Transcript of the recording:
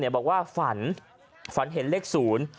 บอกว่าฝันฝันเห็นเลขศูนย์